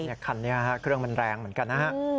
เนี่ยคันเนี่ยครับเครื่องมันแรงเหมือนกันนะฮะ